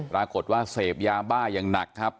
ราคตว่าเสพยาบ้ายังหนักครับ